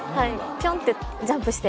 ぴょんってジャンプして。